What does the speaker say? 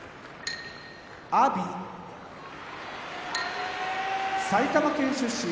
阿炎埼玉県出身